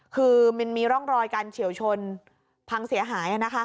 คือมันมีร่องรอยการเฉียวชนพังเสียหาย